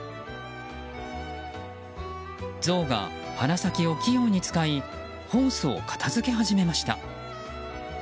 ゾウが鼻先を器用に使いホースを片付け始めました。